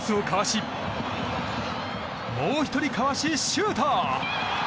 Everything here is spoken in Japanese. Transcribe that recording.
ディフェンスをかわしもう１人かわし、シュート！